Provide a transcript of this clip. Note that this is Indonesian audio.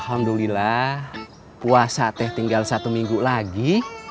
alhamdulillah puasa teh tinggal satu minggu lagi